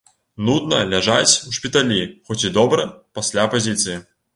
Нудна ляжаць у шпіталі, хоць і добра пасля пазіцыі.